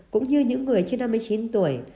cũng như những người trên năm mươi chín tuổi